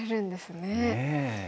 ねえ。